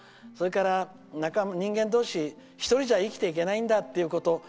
それから、人間同士、１人じゃ生きていけないんだってこと。